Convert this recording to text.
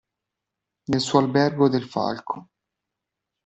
Nel suo Albergo del Falco.